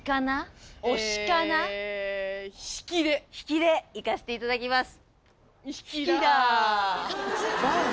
引きでいかせていただきます。